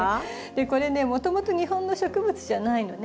これねもともと日本の植物じゃないのね。